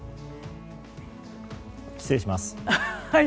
失礼します。